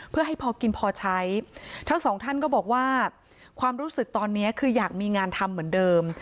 เพื่อให้พอกินพอใช้ทั้งสองท่านก็บอกว่าความรู้สึกตอนนี้คืออยากมีงานทำเหมือนเดิม